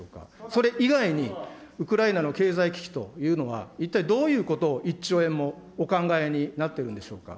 それ以外に、ウクライナの経済危機というのは、一体どういうことを、１兆円もお考えになってるんでしょうか。